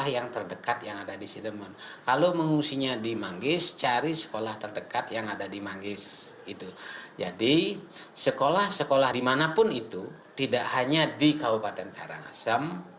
yang belajar di sdn dua purwakerti dusun amet karangasem